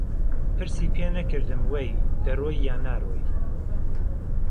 پرسی پێ نهکردم وهی دهرۆی یان نارۆی